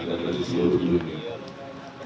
dan dari seluruh dunia